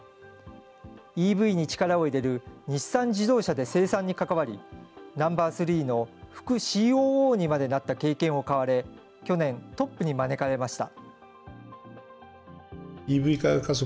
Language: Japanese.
ＥＶに力を入れる日産自動車で生産に関わり、ナンバー３の副ＣＯＯにまでなった経験を買われ、去年、トップに招かれました。